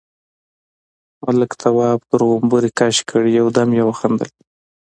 ملک، تواب تر غومبري کش کړ، يو دم يې وخندل: